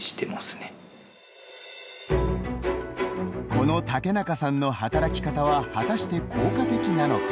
この竹中さんの働き方は果たして効果的なのか？